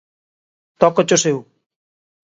Tócochos eu